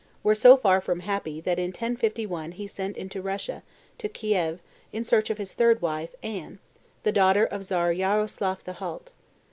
were so far from happy that in 1051 he sent into Russia, to Kieff, in search of his third wife, Anne, daughter of the Czar Yaroslaff the Halt.